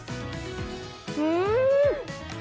うん！